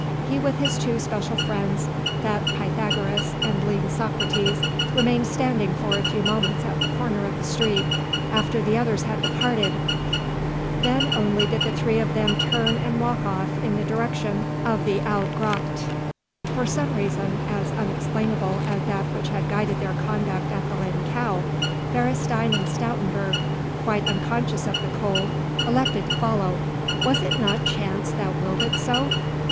He with his two special friends, fat Pythagoras and lean Socrates, remained standing for a few moments at the corner of the street after the others had departed: then only did the three of them turn and walk off in the direction of the Oude Gracht. For some reason, as unexplainable as that which had guided their conduct at the "Lame Cow," Beresteyn and Stoutenburg, quite unconscious of the cold, elected to follow. Was it not Chance that willed it so?